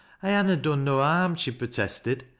" I ha' na done no harm," she protested.